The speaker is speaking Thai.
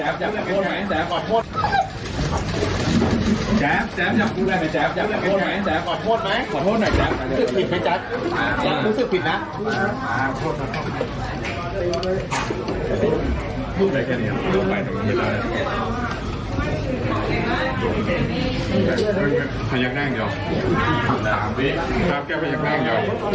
แค่ไหนหาเธอไปห้องคุมสอบสวนที่สุดนะครับ